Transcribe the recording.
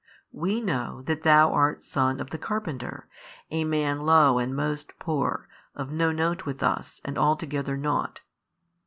we know that Thou art son of the carpenter, a man low and most poor, of no note with us and altogether nought.